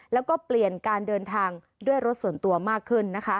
แล้วก็เปลี่ยนการเดินทางด้วยรถส่วนตัวมากขึ้น